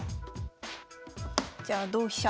じゃあ同飛車。